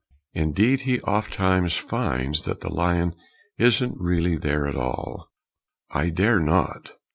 Indeed he oftentimes finds that the lion isn't really there at all. I dare not!